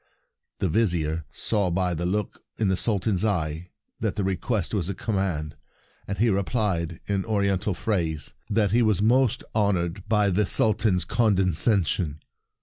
The Vizier saw by the look in the Sultan's eye that the re quest was a command, and he replied in Oriental phrase that he was most honored by the Sultan's condescension.